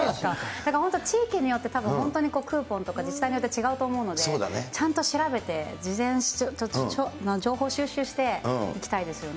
だから本当に地域によって、たぶん、本当にクーポンとか自治体によって違うと思うので、ちゃんと調べて、事前情報収集して行きたいですよね。